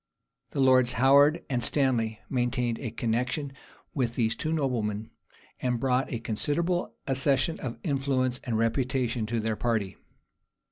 The lords Howard and Stanley maintained a connection with these two noblemen, and brought a considerable accession of influence and reputation to their party.